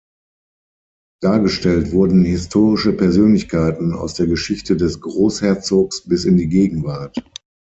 Dargestellt wurden historische Persönlichkeiten aus der Geschichte des Großherzogs bis in die Gegenwart.